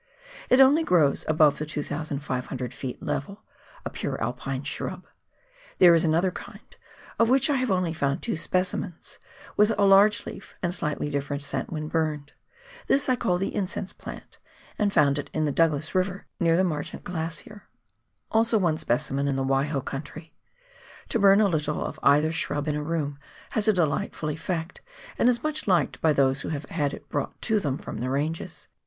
It only grows above the 2,500 ft. level — a pure Alpine shrub. There is another kind, of which I have only found two speci mens, with a large leaf and slightly diSerent scent when burnt ; this I call the " Incense plant," and found it in the Douglas River, near the Marchant Glacier, also one specimen in the Waiho country. To burn a little of either shrub in a room has a delightful effect, and is much liked by those who have had it brought to them from the ranges.